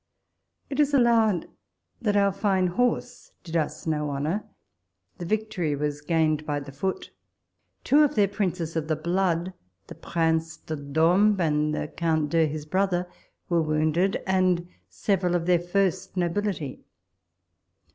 It is allowed that our fine horse did us no honour : the victoi y was gained by the foot. Two of their princes of the blood, the Prince de Dorabes, and the Count d'Eu his brother, were w ounded, and several of their first nobility.